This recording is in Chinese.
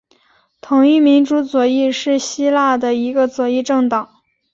统一民主左翼是希腊的一个左翼政党。